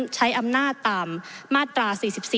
ใช้อำนาจตามมาตรา๔๔